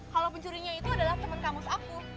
kalo pencurinya itu adalah temen kampus aku